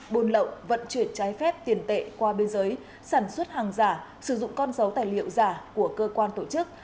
buôn lậu vận chuyển trái phép tiền tệ qua biên giới sản xuất hàng giả sử dụng con dấu tài liệu giả của cơ quan tổ chức